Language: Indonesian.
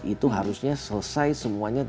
itu harusnya selesai semuanya dua ribu dua puluh